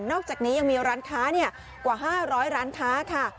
นอกจากนี้ยังมีร้านค้าเนี้ยกว่าห้าร้อยร้านค้าค่ะ